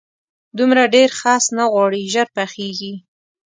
دومره ډېر خس نه غواړي، ژر پخېږي.